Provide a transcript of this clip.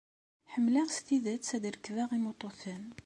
Ḥemmleɣ s tidet ad rekbeɣ imuṭuten.